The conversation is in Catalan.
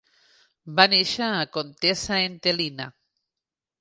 Va néixer a Contessa Entellina.